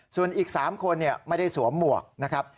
ส่วนอีก๓คนไม่ได้สวมหมวกนะครับ